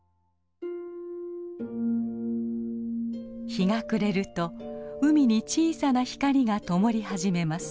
日が暮れると海に小さな光がともり始めます。